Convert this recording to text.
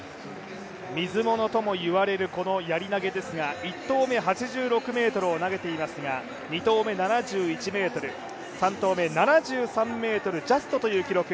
水物とも言われるこのやり投ですが、１投目８６ｍ投げていますが、２投目７１ｍ、３投目７３ｍジャストという記録。